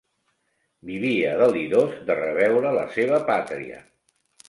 Vivia delirós de reveure la seva pàtria.